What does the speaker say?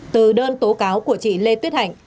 từ đơn tố cáo của chị lê tuyết hạnh